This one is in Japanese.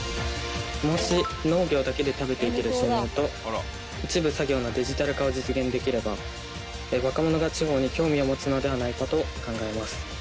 もし農業だけで食べていける収入と一部作業のデジタル化を実現できれば若者が地方に興味を持つのではないかと考えます。